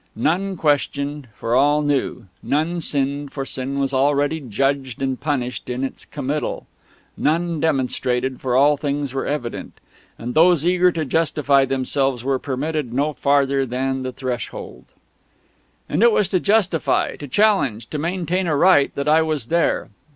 None questioned, for all knew; none sinned, for sin was already judged and punished in its committal; none demonstrated, for all things were evident; and those eager to justify themselves were permitted no farther than the threshold.... And it was to justify, to challenge, to maintain a right, that I was there.